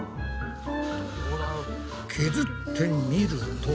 削ってみると。